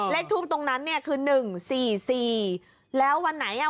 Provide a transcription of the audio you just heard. เลขทูปตรงนั้นเนี่ยคือ๑๔๔แล้ววันไหนวันไหน